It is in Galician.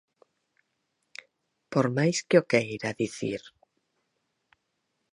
Por máis que o queira dicir.